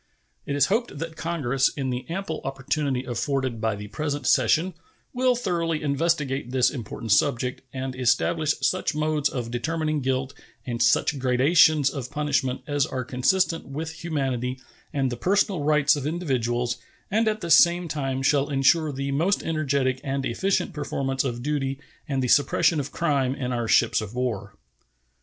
It is hoped that Congress, in the ample opportunity afforded by the present session, will thoroughly investigate this important subject, and establish such modes of determining guilt and such gradations of punishment as are consistent with humanity and the personal rights of individuals, and at the same time shall insure the most energetic and efficient performance of duty and the suppression of crime in our ships of war.